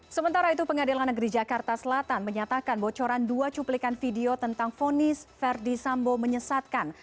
sementara itu pengadilan negeri jakarta selatan menyatakan bocoran dua cuplikan video tentang fonis verdi sambo menyesatkan